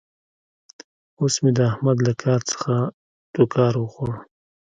اوس مې د احمد له کار څخه ټوکار وخوړ.